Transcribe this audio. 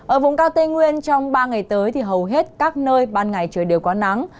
ở vùng cao tây nguyên trong ba ngày tới thì hầu hết các nơi ban ngày trời đều có nắng